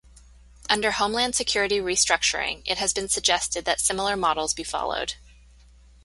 Under Homeland Security restructuring, it has been suggested that similar models be followed.